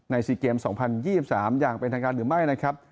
๔เกม๒๐๒๓อย่างเป็นทางการหรือไม่นะครับ